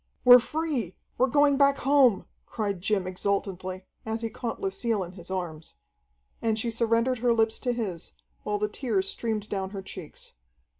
"We're free, we're going back home!" cried Jim exultantly, as he caught Lucille in his arms. And she surrendered her lips to his, while the tears streamed down her checks.